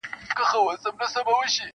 • خو په منځ کي دا یو سوال زه هم لرمه -